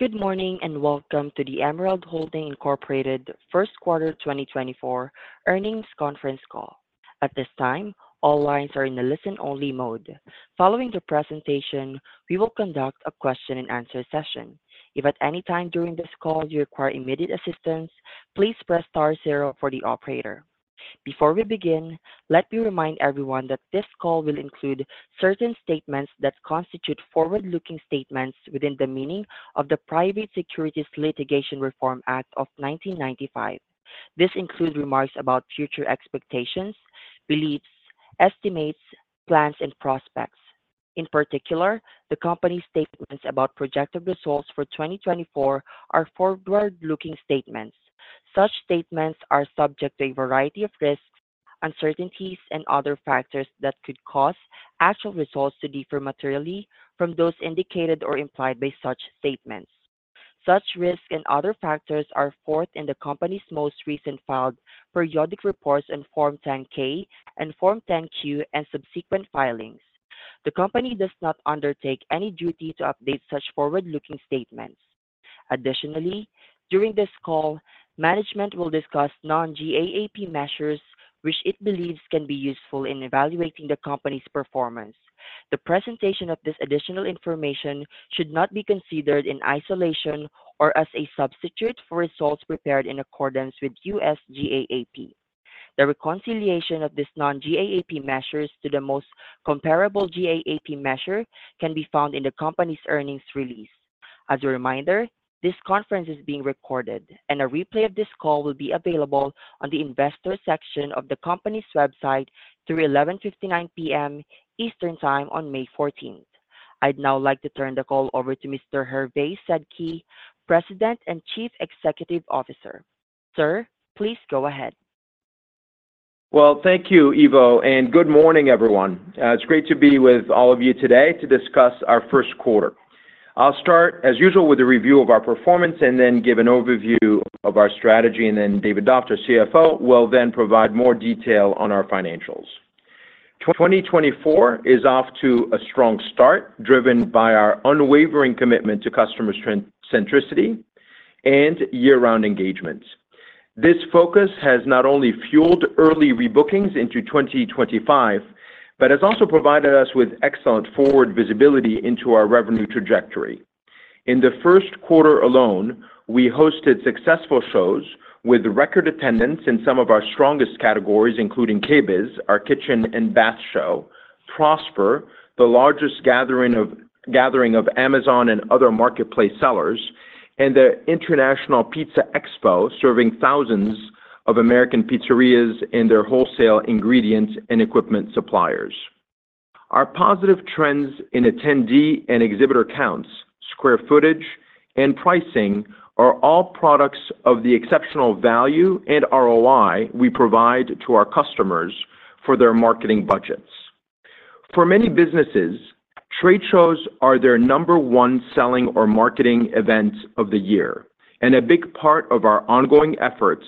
Good morning, and welcome to the Emerald Holding Incorporated First Quarter 2024 Earnings Conference Call. At this time, all lines are in a listen-only mode. Following the presentation, we will conduct a question-and-answer session. If at any time during this call you require immediate assistance, please press star zero for the operator. Before we begin, let me remind everyone that this call will include certain statements that constitute forward-looking statements within the meaning of the Private Securities Litigation Reform Act of 1995. This includes remarks about future expectations, beliefs, estimates, plans, and prospects. In particular, the company's statements about projected results for 2024 are forward-looking statements. Such statements are subject to a variety of risks, uncertainties, and other factors that could cause actual results to differ materially from those indicated or implied by such statements. Such risks and other factors are set forth in the company's most recent filed periodic reports on Form 10-K and Form 10-Q and subsequent filings. The company does not undertake any duty to update such forward-looking statements. Additionally, during this call, management will discuss non-GAAP measures, which it believes can be useful in evaluating the company's performance. The presentation of this additional information should not be considered in isolation or as a substitute for results prepared in accordance with US GAAP. The reconciliation of these non-GAAP measures to the most comparable GAAP measure can be found in the company's earnings release. As a reminder, this conference is being recorded, and a replay of this call will be available on the investor section of the company's website through 11:59 P.M. Eastern Time on May 14. I'd now like to turn the call over to Mr. Hervé Sedky, President and Chief Executive Officer. Sir, please go ahead. Well, thank you, Ivo, and good morning, everyone. It's great to be with all of you today to discuss our first quarter. I'll start, as usual, with a review of our performance and then give an overview of our strategy, and then David Doft, CFO, will then provide more detail on our financials. 2024 is off to a strong start, driven by our unwavering commitment to customer centricity and year-round engagements. This focus has not only fueled early rebookings into 2025 but has also provided us with excellent forward visibility into our revenue trajectory. In the first quarter alone, we hosted successful shows with record attendance in some of our strongest categories, including KBIS, our Kitchen and Bath Show, Prosper, the largest gathering of Amazon and other marketplace sellers, and the International Pizza Expo, serving thousands of American pizzerias and their wholesale ingredients and equipment suppliers. Our positive trends in attendee and exhibitor counts, square footage, and pricing are all products of the exceptional value and ROI we provide to our customers for their marketing budgets. For many businesses, trade shows are their number one selling or marketing event of the year, and a big part of our ongoing efforts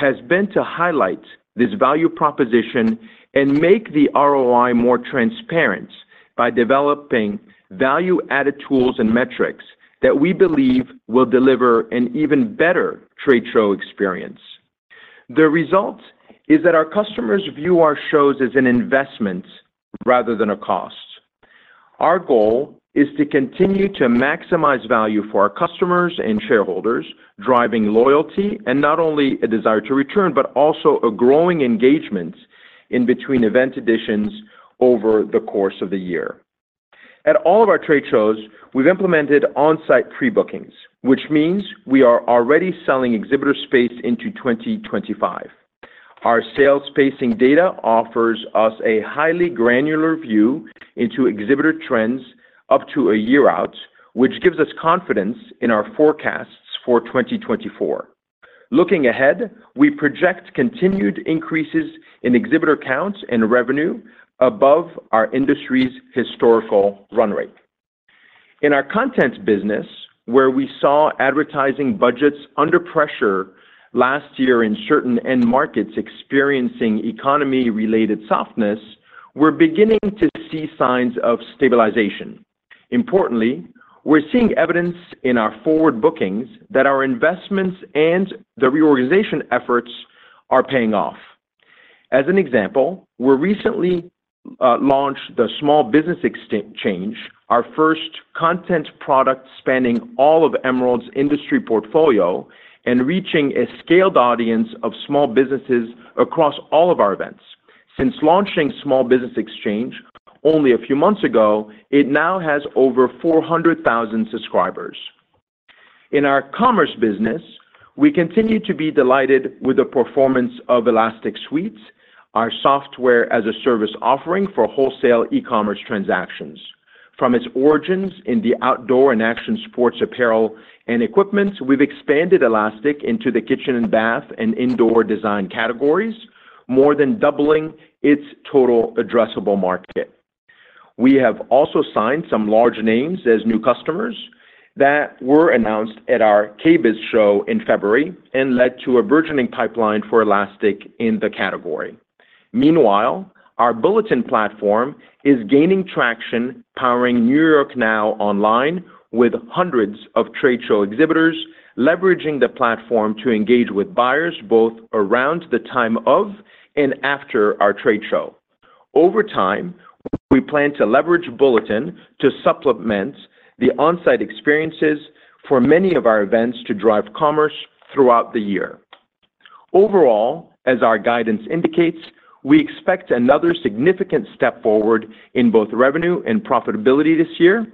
has been to highlight this value proposition and make the ROI more transparent by developing value-added tools and metrics that we believe will deliver an even better trade show experience. The result is that our customers view our shows as an investment rather than a cost. Our goal is to continue to maximize value for our customers and shareholders, driving loyalty and not only a desire to return, but also a growing engagement in between event editions over the course of the year. At all of our trade shows, we've implemented on-site pre-bookings, which means we are already selling exhibitor space into 2025. Our sales spacing data offers us a highly granular view into exhibitor trends up to a year out, which gives us confidence in our forecasts for 2024. Looking ahead, we project continued increases in exhibitor counts and revenue above our industry's historical run rate. In our content business, where we saw advertising budgets under pressure last year in certain end markets experiencing economy-related softness, we're beginning to see signs of stabilization. Importantly, we're seeing evidence in our forward bookings that our investments and the reorganization efforts are paying off. As an example, we recently launched the Small Business Exchange, our first content product spanning all of Emerald's industry portfolio and reaching a scaled audience of small businesses across all of our events. Since launching Small Business Exchange only a few months ago, it now has over 400,000 subscribers. In our commerce business, we continue to be delighted with the performance of Elastic Suite, our software-as-a-service offering for wholesale e-commerce transactions. From its origins in the outdoor and action sports apparel and equipment, we've expanded Elastic into the kitchen and bath and indoor design categories, more than doubling its total addressable market. We have also signed some large names as new customers that were announced at our KBIS show in February and led to a burgeoning pipeline for Elastic in the category. Meanwhile, our Bulletin platform is gaining traction, powering New York NOW Online, with hundreds of trade show exhibitors leveraging the platform to engage with buyers both around the time of and after our trade show. Over time, we plan to leverage Bulletin to supplement the on-site experiences for many of our events to drive commerce throughout the year. Overall, as our guidance indicates, we expect another significant step forward in both revenue and profitability this year.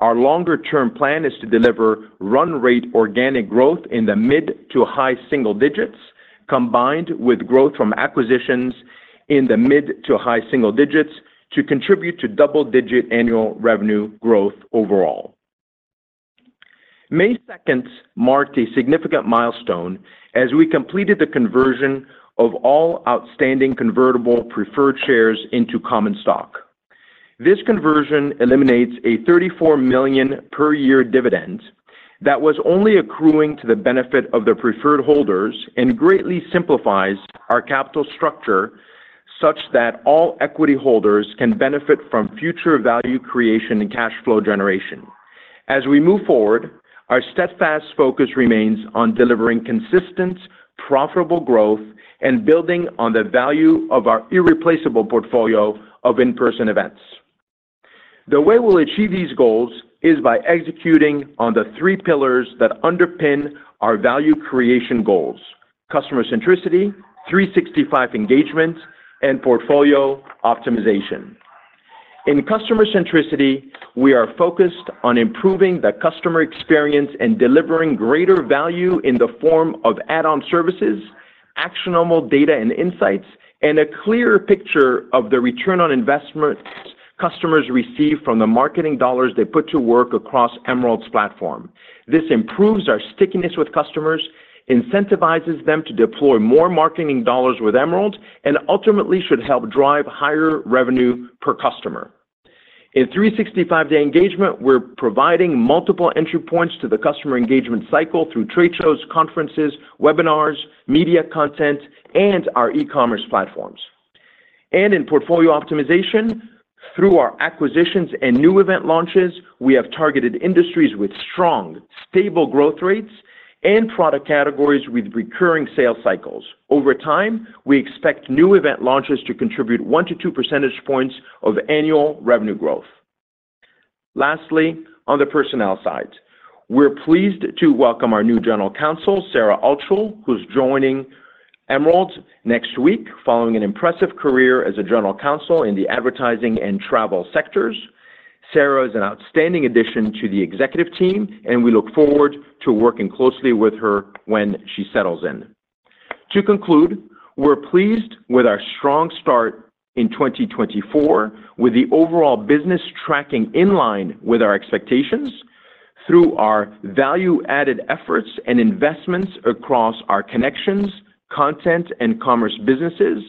Our longer-term plan is to deliver run rate organic growth in the mid to high-single digits, combined with growth from acquisitions in the mid to high-single digits, to contribute to double-digit annual revenue growth overall. May 2 marked a significant milestone as we completed the conversion of all outstanding convertible preferred shares into common stock. This conversion eliminates a $34 million per year dividend that was only accruing to the benefit of the preferred holders and greatly simplifies our capital structure such that all equity holders can benefit from future value creation and cash flow generation. As we move forward, our steadfast focus remains on delivering consistent, profitable growth and building on the value of our irreplaceable portfolio of in-person events. The way we'll achieve these goals is by executing on the three pillars that underpin our value creation goals: customer centricity, 365 engagement, and portfolio optimization. In customer centricity, we are focused on improving the customer experience and delivering greater value in the form of add-on services, actionable data and insights, and a clear picture of the return on investment customers receive from the marketing dollars they put to work across Emerald's platform. This improves our stickiness with customers, incentivizes them to deploy more marketing dollars with Emerald, and ultimately should help drive higher revenue per customer. In 365-day engagement, we're providing multiple entry points to the customer engagement cycle through trade shows, conferences, webinars, media content, and our e-commerce platforms. In portfolio optimization, through our acquisitions and new event launches, we have targeted industries with strong, stable growth rates and product categories with recurring sales cycles. Over time, we expect new event launches to contribute 1-2 percentage points of annual revenue growth. Lastly, on the personnel side, we're pleased to welcome our new General Counsel, Sara Altschul, who's joining Emerald next week, following an impressive career as a general counsel in the advertising and travel sectors. Sara is an outstanding addition to the executive team, and we look forward to working closely with her when she settles in. To conclude, we're pleased with our strong start in 2024, with the overall business tracking in line with our expectations. Through our value-added efforts and investments across our Connections, Content, and Commerce businesses,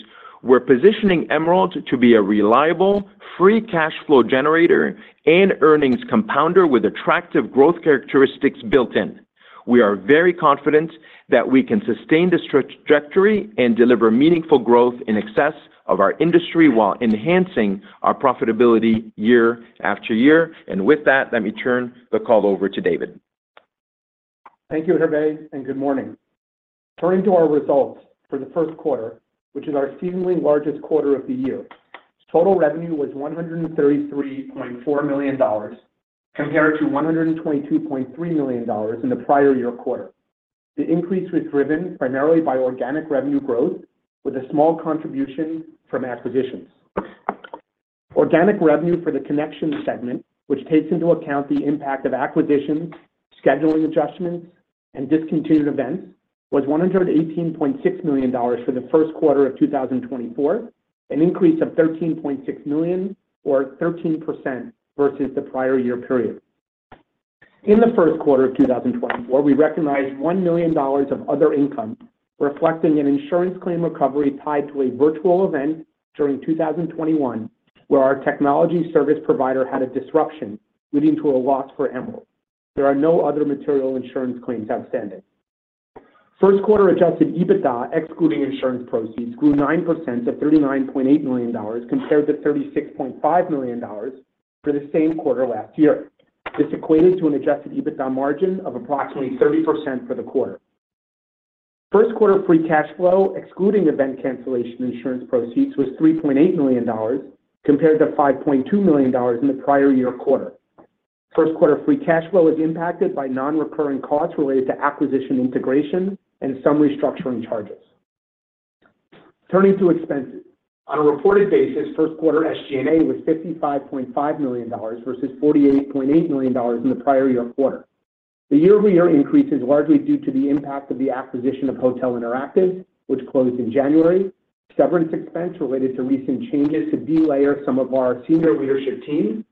we're positioning Emerald to be a reliable, free cash flow generator and earnings compounder with attractive growth characteristics built in. We are very confident that we can sustain this trajectory and deliver meaningful growth in excess of our industry while enhancing our profitability year after year. With that, let me turn the call over to David. Thank you, Hervé, and good morning. Turning to our results for the first quarter, which is our seasonally largest quarter of the year. Total revenue was $133.4 million, compared to $122.3 million in the prior year quarter. The increase was driven primarily by organic revenue growth, with a small contribution from acquisitions. Organic revenue for the Connections segment, which takes into account the impact of acquisitions, scheduling adjustments, and discontinued events, was $118.6 million for the first quarter of 2024, an increase of $13.6 million or 13% versus the prior year period. In the first quarter of 2024, we recognized $1 million of other income, reflecting an insurance claim recovery tied to a virtual event during 2021, where our technology service provider had a disruption, leading to a loss for Emerald. There are no other material insurance claims outstanding. First quarter adjusted EBITDA, excluding insurance proceeds, grew 9% to $39.8 million, compared to $36.5 million for the same quarter last year. This equated to an adjusted EBITDA margin of approximately 30% for the quarter. First quarter free cash flow, excluding event cancellation insurance proceeds, was $3.8 million, compared to $5.2 million in the prior year quarter. First quarter free cash flow is impacted by non-recurring costs related to acquisition integration and some restructuring charges. Turning to expenses. On a reported basis, first quarter SG&A was $55.5 million versus $48.8 million in the prior year quarter. The year-over-year increase is largely due to the impact of the acquisition of Hotel Interactive, which closed in January, severance expense related to recent changes to delayer some of our senior leadership team,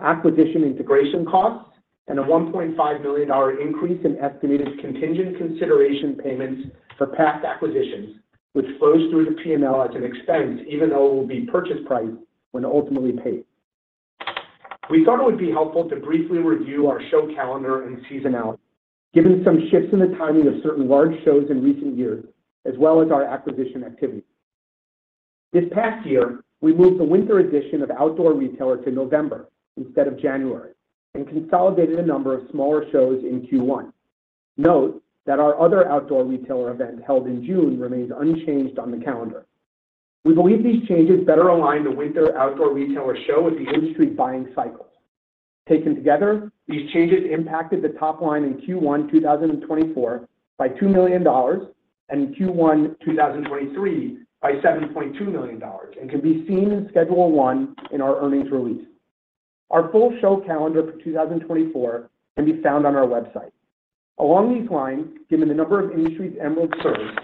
acquisition integration costs, and a $1.5 million increase in estimated contingent consideration payments for past acquisitions, which flows through the P&L as an expense, even though it will be purchase price when ultimately paid. We thought it would be helpful to briefly review our show calendar and seasonality, given some shifts in the timing of certain large shows in recent years, as well as our acquisition activity. This past year, we moved the winter edition of Outdoor Retailer to November instead of January, and consolidated a number of smaller shows in Q1. Note that our other Outdoor Retailer event held in June remains unchanged on the calendar. We believe these changes better align the winter Outdoor Retailer show with the industry buying cycles. Taken together, these changes impacted the top line in Q1 2024 by $2 million, and in Q1 2023 by $7.2 million, and can be seen in Schedule 1 in our earnings release. Our full show calendar for 2024 can be found on our website. Along these lines, given the number of industries Emerald serves,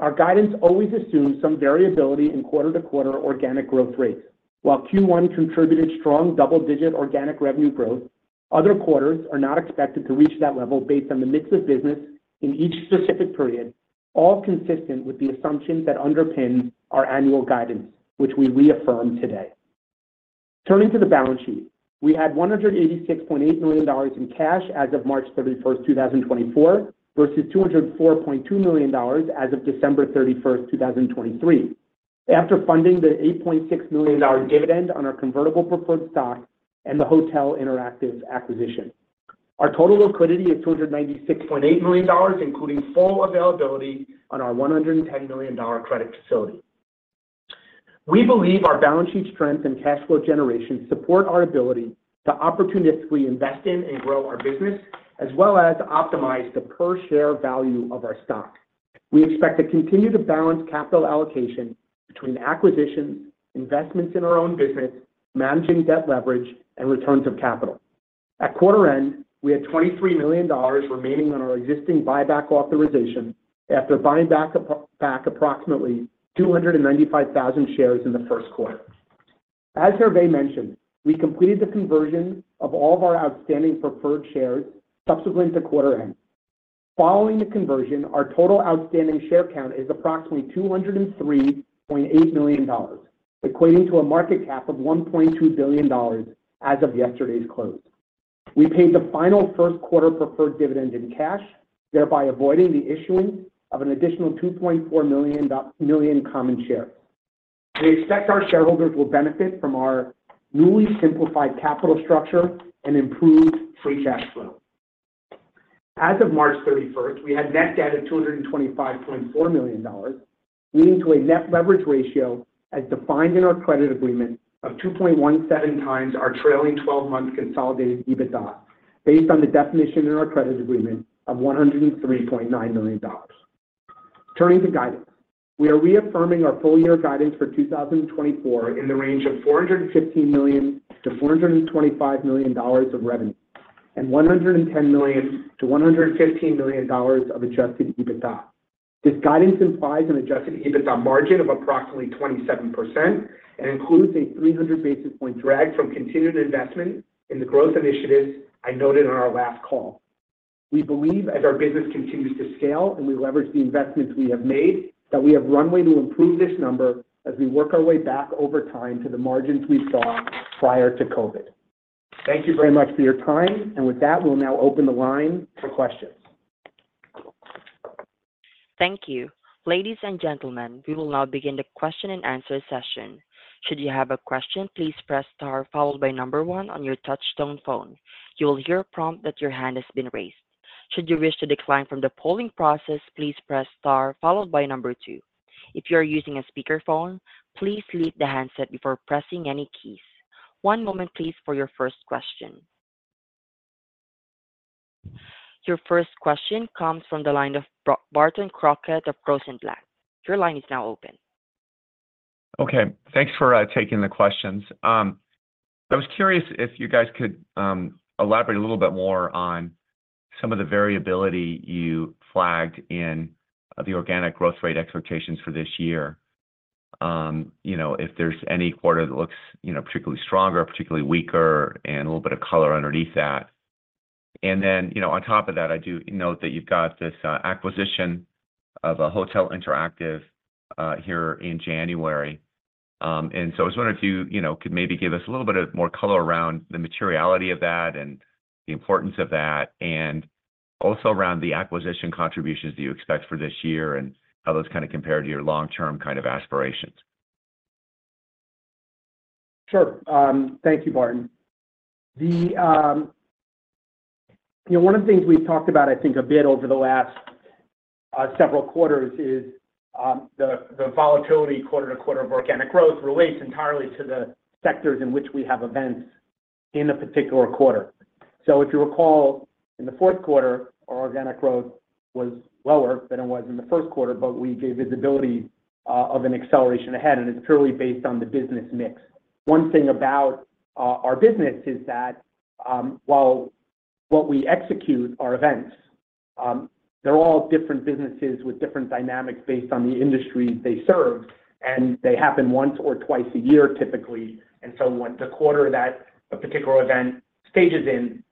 our guidance always assumes some variability in quarter-to-quarter organic growth rates. While Q1 contributed strong double-digit organic revenue growth, other quarters are not expected to reach that level based on the mix of business in each specific period, all consistent with the assumptions that underpin our annual guidance, which we reaffirm today. Turning to the balance sheet, we had $186.8 million in cash as of March 31, 2024, versus $204.2 million as of December 31, 2023. After funding the $8.6 million dividend on our convertible preferred stock and the Hotel Interactive acquisition, our total liquidity is $296.8 million, including full availability on our $110 million credit facility. We believe our balance sheet strength and cash flow generation support our ability to opportunistically invest in and grow our business, as well as optimize the per share value of our stock. We expect to continue to balance capital allocation between acquisitions, investments in our own business, managing debt leverage, and returns of capital. At quarter end, we had $23 million remaining on our existing buyback authorization after buying back approximately 295,000 shares in the first quarter. As Hervé mentioned, we completed the conversion of all of our outstanding preferred shares subsequent to quarter end. Following the conversion, our total outstanding share count is approximately $203.8 million, equating to a market cap of $1.2 billion as of yesterday's close. We paid the final first quarter preferred dividend in cash, thereby avoiding the issuing of an additional $2.4 million common shares. We expect our shareholders will benefit from our newly simplified capital structure and improved free cash flow. As of March 31st, we had net debt of $225.4 million, leading to a net leverage ratio as defined in our credit agreement of 2.17 times our trailing twelve-month consolidated EBITDA, based on the definition in our credit agreement of $103.9 million. Turning to guidance, we are reaffirming our full year guidance for 2024 in the range of $415 million-$425 million of revenue, and $110 million-$115 million of adjusted EBITDA. This guidance implies an adjusted EBITDA margin of approximately 27% and includes a 300 basis point drag from continued investment in the growth initiatives I noted on our last call. We believe as our business continues to scale and we leverage the investments we have made, that we have runway to improve this number as we work our way back over time to the margins we saw prior to COVID. Thank you very much for your time, and with that, we'll now open the line for questions. Thank you. Ladies and gentlemen, we will now begin the question and answer session. Should you have a question, please press star followed by number one on your touch tone phone. You will hear a prompt that your hand has been raised. Should you wish to decline from the polling process, please press star followed by number two. If you are using a speakerphone, please leave the handset before pressing any keys. One moment, please, for your first question. Your first question comes from the line of Barton Crockett of Rosenblatt. Your line is now open. Okay, thanks for taking the questions. I was curious if you guys could elaborate a little bit more on some of the variability you flagged in the organic growth rate expectations for this year. You know, if there's any quarter that looks, you know, particularly stronger, particularly weaker, and a little bit of color underneath that. And then, you know, on top of that, I do note that you've got this acquisition of Hotel Interactive here in January. And so I was wondering if you, you know, could maybe give us a little bit more color around the materiality of that and the importance of that, and also around the acquisition contributions that you expect for this year and how those kind of compare to your long-term kind of aspirations. Sure. Thank you, Barton. You know, one of the things we've talked about, I think, a bit over the last several quarters is the volatility quarter to quarter of organic growth relates entirely to the sectors in which we have events in a particular quarter. So if you recall, in the fourth quarter, our organic growth was lower than it was in the first quarter, but we gave visibility of an acceleration ahead, and it's purely based on the business mix. One thing about our business is that while what we execute are events, they're all different businesses with different dynamics based on the industry they serve, and they happen once or twice a year, typically. When the quarter that a particular event stages in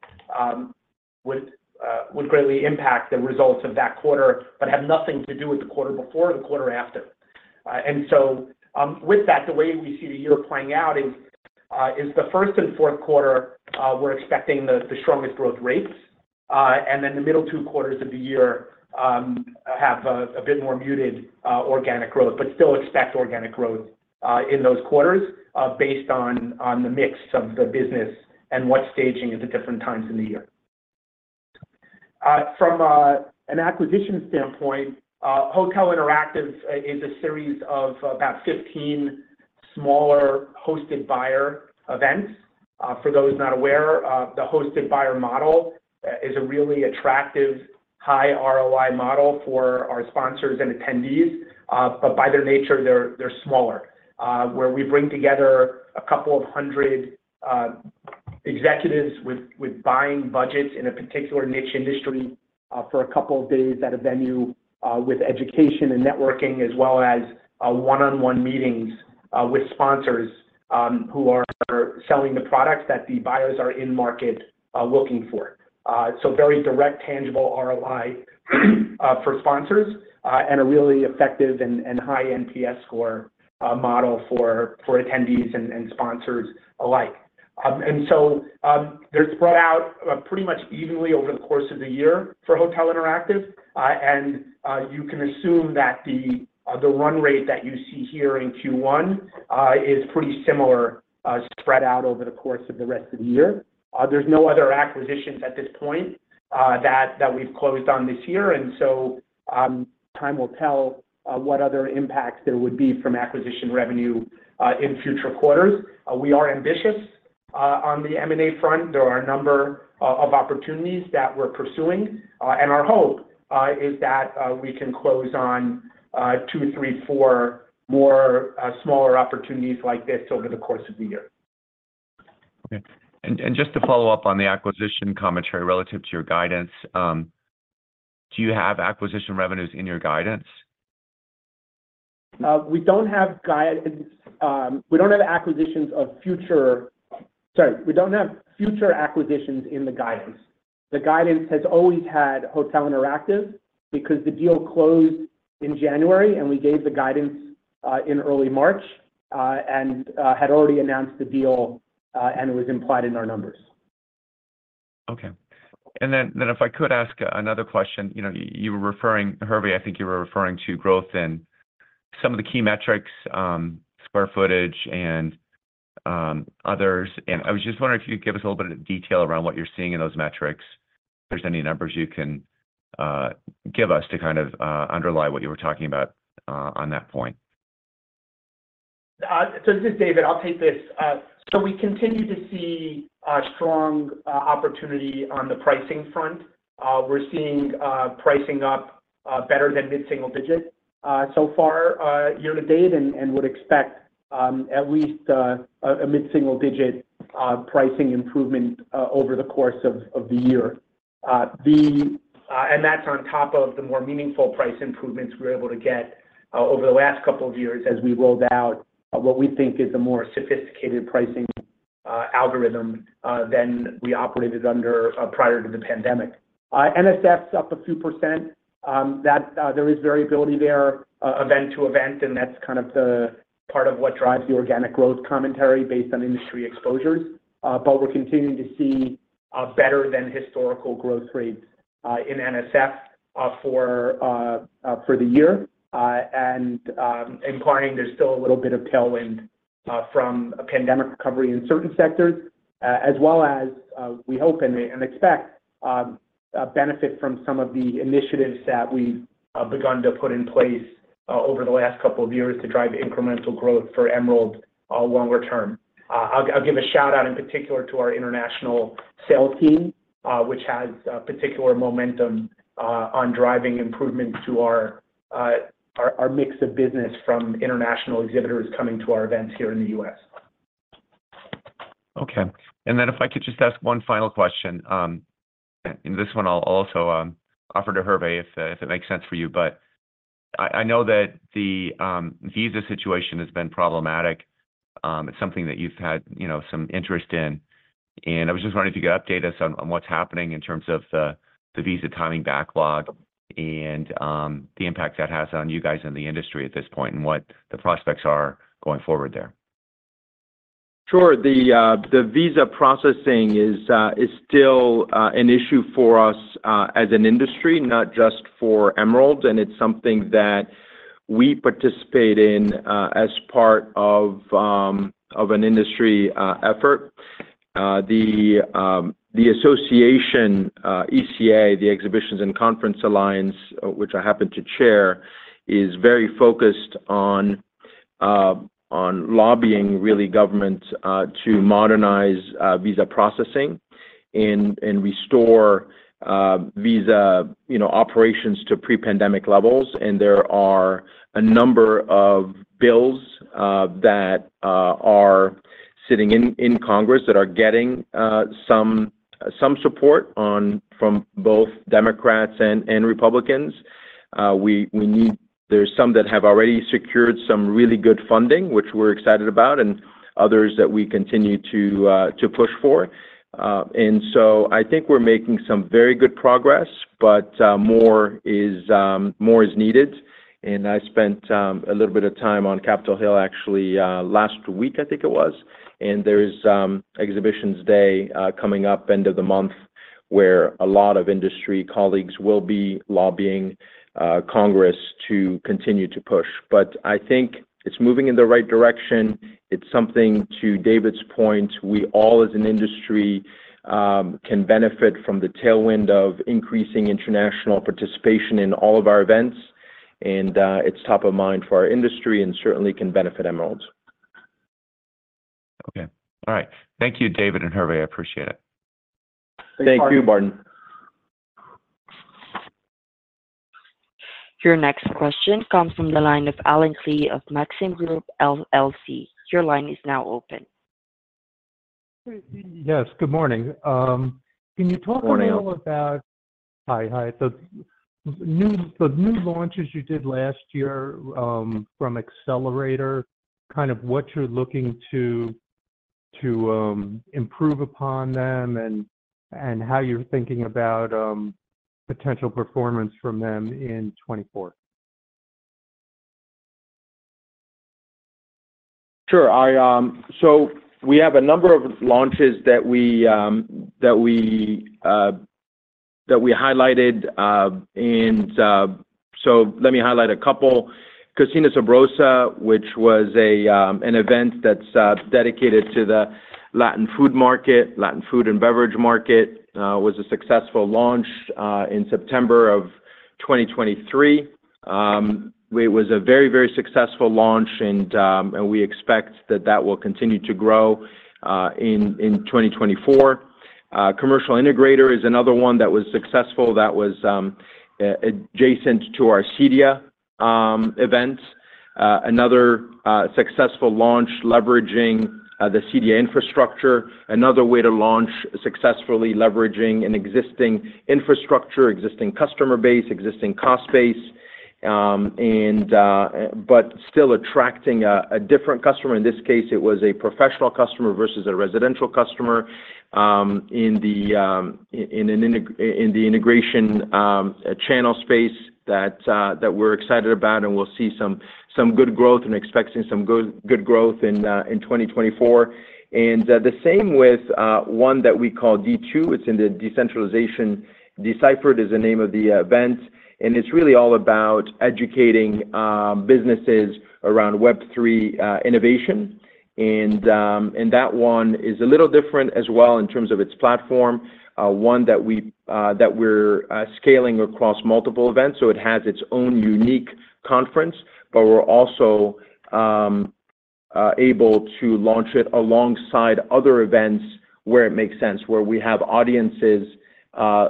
would greatly impact the results of that quarter, but have nothing to do with the quarter before or the quarter after. With that, the way we see the year playing out is the first and fourth quarter, we're expecting the strongest growth rates. And then the middle two quarters of the year have a bit more muted organic growth, but still expect organic growth in those quarters based on the mix of the business and what staging is at different times in the year. From an acquisition standpoint, Hotel Interactive is a series of about 15 smaller hosted buyer events. For those not aware, the hosted buyer model is a really attractive, high ROI model for our sponsors and attendees. But by their nature, they're smaller, where we bring together a couple of hundred executives with buying budgets in a particular niche industry, for a couple of days at a venue, with education and networking, as well as one-on-one meetings with sponsors, who are selling the products that the buyers are in market looking for. So very direct, tangible ROI for sponsors, and a really effective and high NPS score model for attendees and sponsors alike. And so, they're spread out pretty much evenly over the course of the year for Hotel Interactive. You can assume that the run rate that you see here in Q1 is pretty similar, spread out over the course of the rest of the year. There's no other acquisitions at this point that we've closed on this year, and so, time will tell what other impacts there would be from acquisition revenue in future quarters. We are ambitious on the M&A front. There are a number of opportunities that we're pursuing, and our hope is that we can close on two, three, four more smaller opportunities like this over the course of the year. Okay. And just to follow up on the acquisition commentary relative to your guidance, do you have acquisition revenues in your guidance? We don't have guidance. Sorry, we don't have future acquisitions in the guidance. The guidance has always had Hotel Interactive because the deal closed in January, and we gave the guidance in early March, and had already announced the deal, and it was implied in our numbers. Okay. And then if I could ask another question. You know, you were referring, Hervé, I think you were referring to growth in some of the key metrics, square footage and others. And I was just wondering if you could give us a little bit of detail around what you're seeing in those metrics. If there's any numbers you can give us to kind of underlie what you were talking about on that point. So this is David. I'll take this. So we continue to see strong opportunity on the pricing front. We're seeing pricing up better than mid-single digit so far year-to-date, and would expect at least a mid-single digit pricing improvement over the course of the year. And that's on top of the more meaningful price improvements we're able to get over the last couple of years as we rolled out what we think is a more sophisticated pricing algorithm than we operated under prior to the pandemic. NSF is up a few percent. That there is variability there event-to-event, and that's kind of the part of what drives the organic growth commentary based on industry exposures. But we're continuing to see better than historical growth rates in NSF for the year. Implying there's still a little bit of tailwind from a pandemic recovery in certain sectors, as well as we hope and expect a benefit from some of the initiatives that we've begun to put in place over the last couple of years to drive incremental growth for Emerald longer term. I'll give a shout-out in particular to our international sales team, which has particular momentum on driving improvements to our mix of business from international exhibitors coming to our events here in the U.S. Okay. And then if I could just ask one final question, and this one I'll also offer to Hervé, if, if it makes sense for you, but I, I know that the visa situation has been problematic. It's something that you've had, you know, some interest in, and I was just wondering if you could update us on, on what's happening in terms of the, the visa timing backlog and, the impact that has on you guys in the industry at this point and what the prospects are going forward there. Sure. The visa processing is still an issue for us as an industry, not just for Emerald, and it's something that we participate in as part of an industry effort. The association ECA, the Exhibitions and Conferences Alliance, which I happen to chair, is very focused on lobbying really government to modernize visa processing and restore visa, you know, operations to pre-pandemic levels. And there are a number of bills that are sitting in Congress that are getting some support from both Democrats and Republicans. We need, there's some that have already secured some really good funding, which we're excited about, and others that we continue to push for. And so I think we're making some very good progress, but more is, more is needed. I spent a little bit of time on Capitol Hill, actually, last week, I think it was, and there's Exhibitions Day coming up end of the month, where a lot of industry colleagues will be lobbying Congress to continue to push. But I think it's moving in the right direction. It's something, to David's point, we all, as an industry, can benefit from the tailwind of increasing international participation in all of our events, and it's top of mind for our industry and certainly can benefit Emerald. Okay. All right. Thank you, David and Hervé. I appreciate it. Thank you, Barton. Your next question comes from the line of Allen Klee of Maxim Group, LLC. Your line is now open. Yes, good morning. Can you talk- Good morning A little about the new launches you did last year from Accelerator, kind of what you're looking to improve upon them and how you're thinking about potential performance from them in 2024? Sure. I, so we have a number of launches that we, that we, that we highlighted, and, so let me highlight a couple. Cocina Sabrosa, which was a, an event that's, dedicated to the Latin food market, Latin food and beverage market, was a successful launch, in September of 2023. It was a very, very successful launch, and, and we expect that that will continue to grow, in, in 2024. Commercial Integrator is another one that was successful that was, adjacent to our CEDIA events. Another, successful launch leveraging, the CEDIA infrastructure. Another way to launch successfully leveraging an existing infrastructure, existing customer base, existing cost base, and, but still attracting a, a different customer. In this case, it was a professional customer versus a residential customer in the integration channel space that we're excited about, and we'll see some good growth and expecting some good growth in 2024. And the same with one that we call D2. It's in the Decentralization Deciphered, is the name of the event, and it's really all about educating businesses around Web3 innovation. And that one is a little different as well in terms of its platform, one that we're scaling across multiple events. So it has its own unique conference, but we're also able to launch it alongside other events where it makes sense, where we have audiences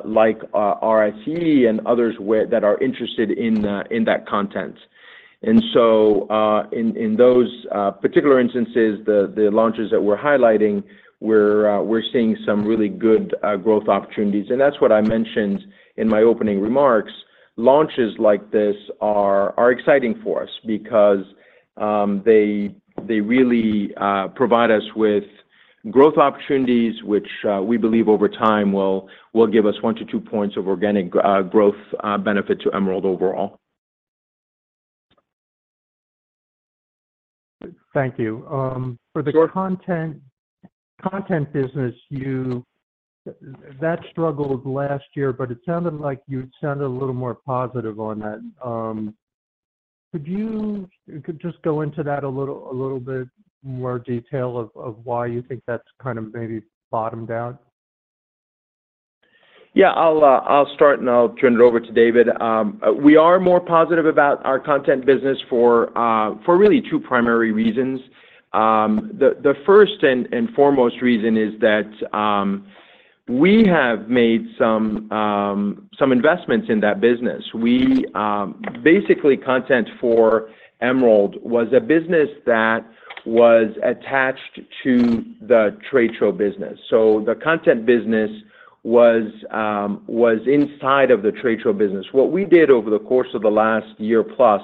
like RICE and others that are interested in that content. And so in those particular instances, the launches that we're highlighting, we're seeing some really good growth opportunities, and that's what I mentioned in my opening remarks. Launches like this are exciting for us because they really provide us with growth opportunities, which we believe over time will give us one-two points of organic growth benefit to Emerald overall. Thank you. Sure. For the content, content business, you that struggled last year, but it sounded like you sounded a little more positive on that. Could you just go into that a little, a little bit more detail of why you think that's kind of maybe bottomed out? Yeah, I'll start, and I'll turn it over to David. We are more positive about our content business for really two primary reasons. The first and foremost reason is that we have made some investments in that business. We basically, content for Emerald was a business that was attached to the trade show business. So the content business was inside of the trade show business. What we did over the course of the last year plus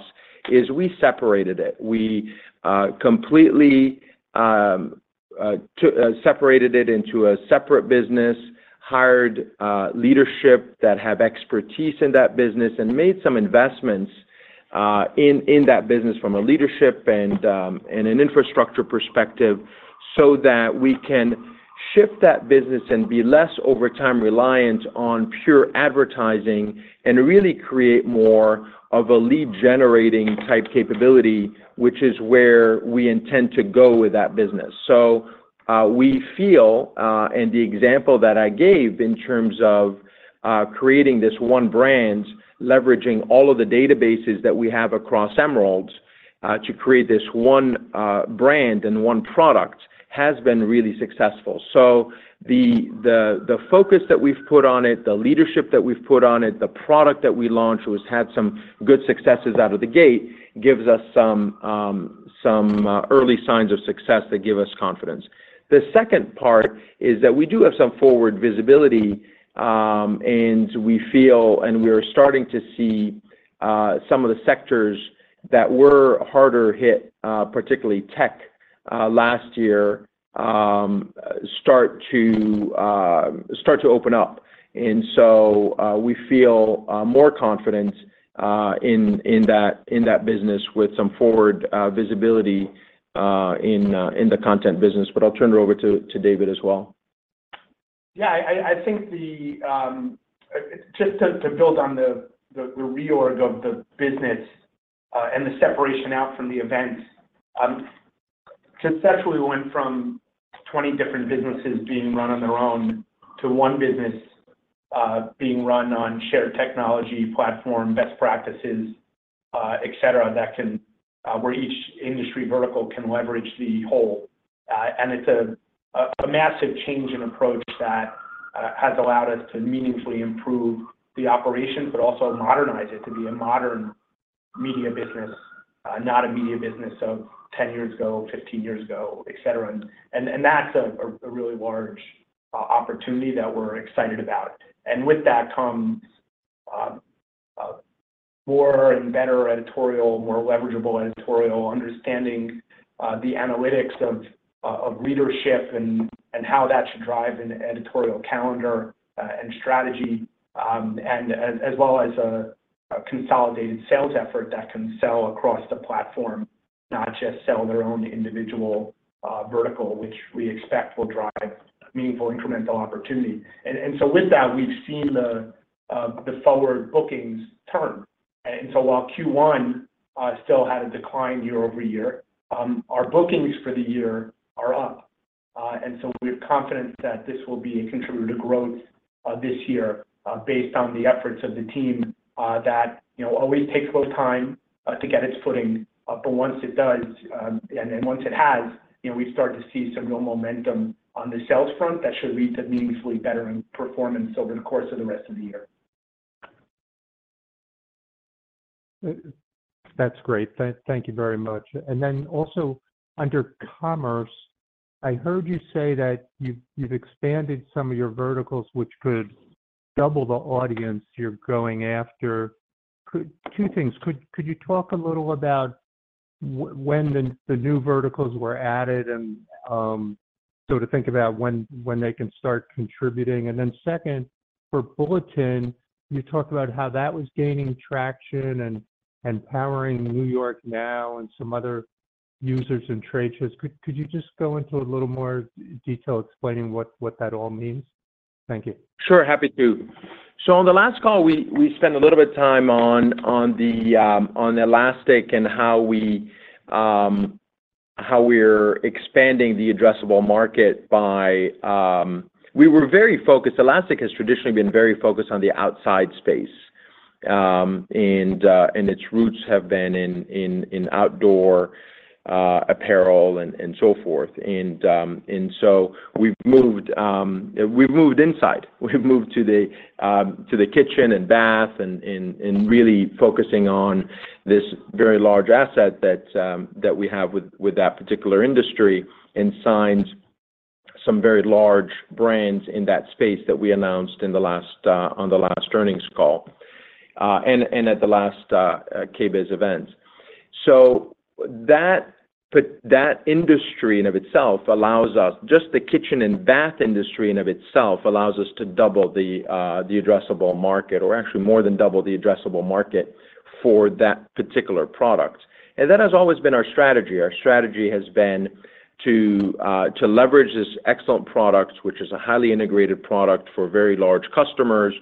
is we separated it. We completely separated it into a separate business, hired leadership that have expertise in that business, and made some investments in that business from a leadership and an infrastructure perspective, so that we can shift that business and be less over time reliant on pure advertising, and really create more of a lead-generating type capability, which is where we intend to go with that business. So, we feel, and the example that I gave in terms of creating this one brand, leveraging all of the databases that we have across Emerald to create this one brand and one product, has been really successful. So the focus that we've put on it, the leadership that we've put on it, the product that we launched, which had some good successes out of the gate, gives us some early signs of success that give us confidence. The second part is that we do have some forward visibility, and we feel, and we are starting to see some of the sectors that were harder hit, particularly tech last year, start to open up. And so we feel more confidence in that business with some forward visibility in the content business. But I'll turn it over to David as well. Yeah, I think just to build on the reorg of the business and the separation out from the events, successfully went from 20 different businesses being run on their own, to one business being run on shared technology platform, best practices, et cetera, that can where each industry vertical can leverage the whole. And it's a massive change in approach that has allowed us to meaningfully improve the operation, but also modernize it to be a modern media business, not a media business of 10 years ago, 15 years ago, et cetera. And that's a really large opportunity that we're excited about. With that comes, more and better editorial, more leverageable editorial, understanding, the analytics of, readership and how that should drive an editorial calendar, and strategy, and as well as a consolidated sales effort that can sell across the platform, not just sell their own individual, vertical, which we expect will drive meaningful incremental opportunity. And so with that, we've seen the, the forward bookings turn. And so while Q1 still had a decline year-over-year, our bookings for the year are up. And so we're confident that this will be a contributor to growth, this year, based on the efforts of the team, that, you know, always takes a little time, to get its footing. But once it does, and then once it has, you know, we start to see some real momentum on the sales front that should lead to meaningfully better in performance over the course of the rest of the year. That's great. Thank you very much. And then also under commerce, I heard you say that you've expanded some of your verticals, which could double the audience you're going after. Could. Two things: Could you talk a little about when the new verticals were added, and so to think about when they can start contributing? And then second, for Bulletin, you talked about how that was gaining traction and powering New York NOW and some other users and trade shows. Could you just go into a little more detail explaining what that all means? Thank you. Sure, happy to. So on the last call, we spent a little bit of time on the Elastic and how we're expanding the addressable market by. We were very focused. Elastic has traditionally been very focused on the outdoor space, and its roots have been in outdoor apparel and so forth. And so we've moved inside. We've moved to the kitchen and bath and really focusing on this very large asset that we have with that particular industry, and signed some very large brands in that space that we announced on the last earnings call, and at the last KBIS event. That industry in and of itself allows us, just the kitchen and bath industry in and of itself, allows us to double the addressable market, or actually more than double the addressable market for that particular product. And that has always been our strategy. Our strategy has been to leverage this excellent product, which is a highly integrated product for very large customers,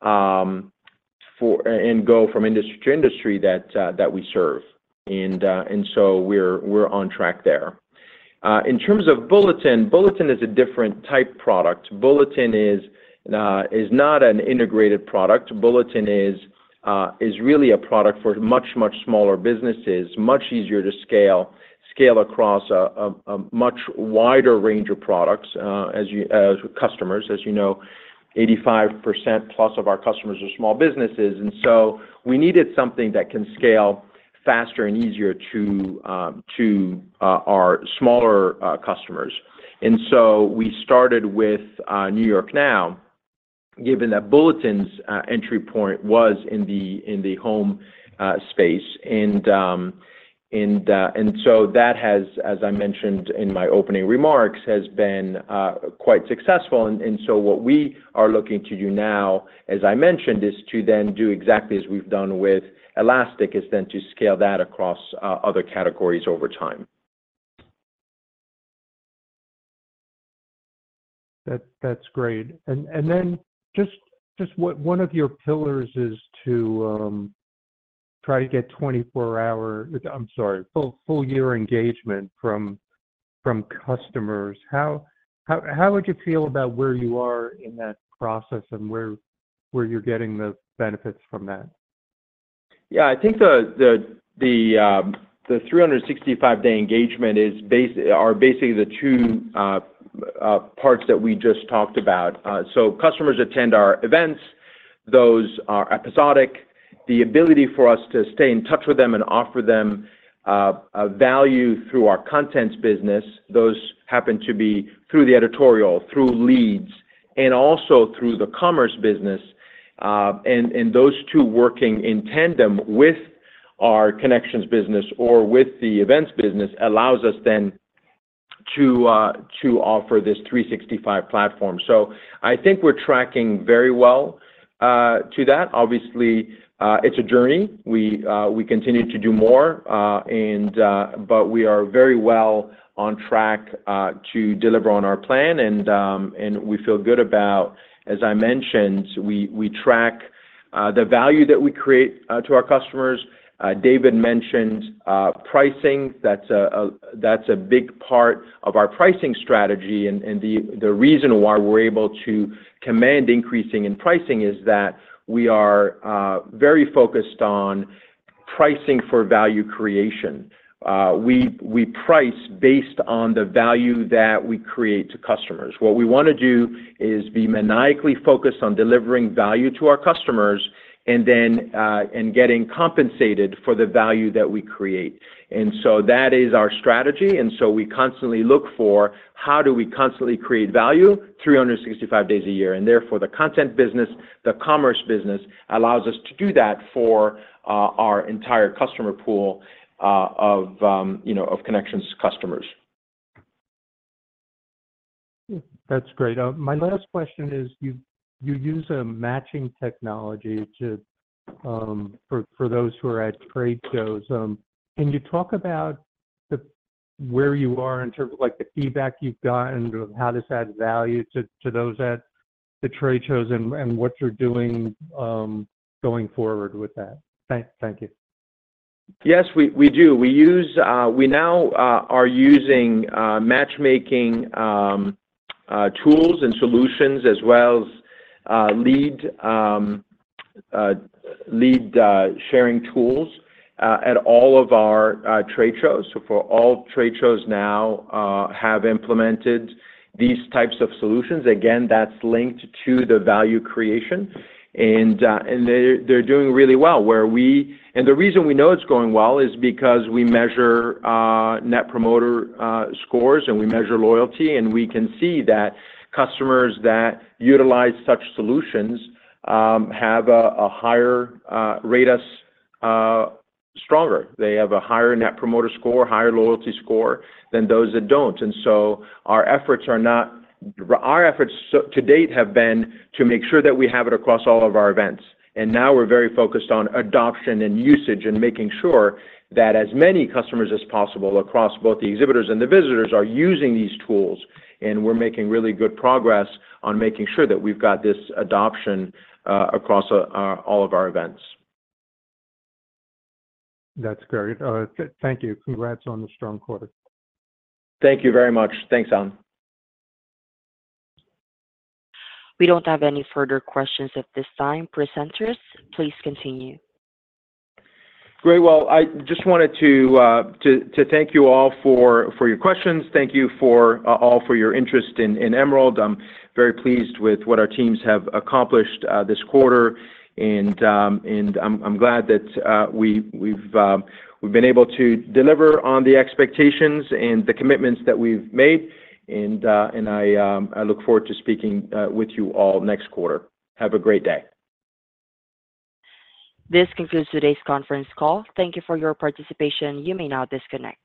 for and go from industry to industry that we serve. And so we're, we're on track there. In terms of Bulletin, Bulletin is a different type product. Bulletin is not an integrated product. Bulletin is really a product for much, much smaller businesses, much easier to scale across a much wider range of products, as you customers. As you know, 85% plus of our customers are small businesses, and so we needed something that can scale faster and easier to our smaller customers. And so we started with New York NOW, given that Bulletin's entry point was in the home space. And so that has, as I mentioned in my opening remarks, has been quite successful. And so what we are looking to do now, as I mentioned, is to then do exactly as we've done with Elastic, is then to scale that across other categories over time. That, that's great. And then just what, one of your pillars is to try to get 24-hour. I'm sorry, full year engagement from customers. How would you feel about where you are in that process and where you're getting the benefits from that? Yeah, I think the 365-day engagement is basically the two parts that we just talked about. So customers attend our events. Those are episodic. The ability for us to stay in touch with them and offer them a value through our contents business, those happen to be through the editorial, through leads and also through the commerce business, and those two working in tandem with our connections business or with the events business allows us then to offer this 365 platform. So I think we're tracking very well to that. Obviously, it's a journey. We continue to do more, but we are very well on track to deliver on our plan, and we feel good about. As I mentioned, we track the value that we create to our customers. David mentioned pricing. That's a big part of our pricing strategy, and the reason why we're able to command increasing pricing is that we are very focused on pricing for value creation. We price based on the value that we create to customers. What we wanna do is be maniacally focused on delivering value to our customers, and then getting compensated for the value that we create. And so that is our strategy, and so we constantly look for how do we constantly create value 365 days a year, and therefore, the content business, the commerce business, allows us to do that for our entire customer pool, you know, of Connections customers. That's great. My last question is, you use a matching technology to for those who are at trade shows. Can you talk about where you are in terms of, like, the feedback you've gotten, or how this adds value to those at the trade shows and what you're doing going forward with that? Thank you. Yes, we do. We use matchmaking tools and solutions as well as lead sharing tools at all of our trade shows. So for all trade shows now have implemented these types of solutions. Again, that's linked to the value creation, and they're doing really well. The reason we know it's going well is because we measure Net Promoter scores, and we measure loyalty, and we can see that customers that utilize such solutions have a higher rate us stronger. They have a higher Net Promoter Score, higher loyalty score than those that don't. Our efforts to date have been to make sure that we have it across all of our events, and now we're very focused on adoption and usage and making sure that as many customers as possible, across both the exhibitors and the visitors, are using these tools. We're making really good progress on making sure that we've got this adoption across all of our events. That's great. Thank you. Congrats on the strong quarter. Thank you very much. Thanks, Allen. We don't have any further questions at this time, presenters. Please continue. Great. Well, I just wanted to thank you all for your questions. Thank you all for your interest in Emerald. I'm very pleased with what our teams have accomplished this quarter, and I'm glad that we've been able to deliver on the expectations and the commitments that we've made. And I look forward to speaking with you all next quarter. Have a great day. This concludes today's conference call. Thank you for your participation. You may now disconnect.